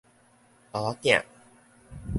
包仔囝